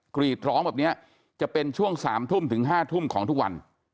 กรีดร้องแบบนี้จะเป็นช่วง๓ทุ่มถึง๕ทุ่มของทุกวัน